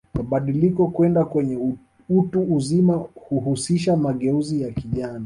Mabadiliko kwenda kwenye utu uzima huhusisha mageuzi ya kijana